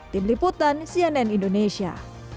tim liputan cnn indonesia